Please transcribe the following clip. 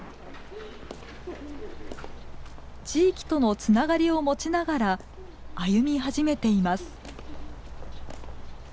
地域とのつながりを持ちながら歩み始めています。